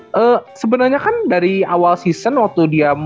eee sebenernya kan dari awal season waktu dia